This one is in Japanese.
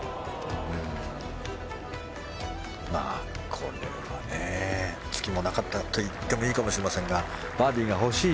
これは、ツキもなかったといっていいかもしれませんがバーディーが欲しい